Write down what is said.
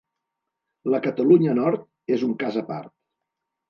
La Catalunya Nord és un cas a part.